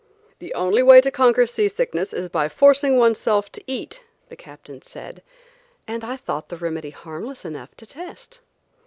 "The only way to conquer sea sickness is by forcing one's self to eat," the Captain said, and I thought the remedy harmless enough to test.